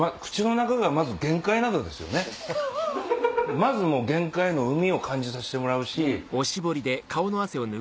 まず玄界の海を感じさせてもらうし。